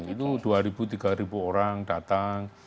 itu dua ribu tiga ribu orang datang